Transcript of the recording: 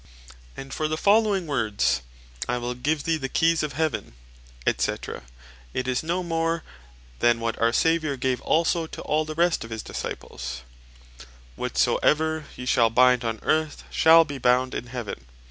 And for the following words, "I will give thee the Keyes of Heaven, &c." it is no more than what our Saviour gave also to all the rest of his Disciples (Matth. 18.18.) "Whatsoever yee shall bind on Earth, shall be bound in Heaven.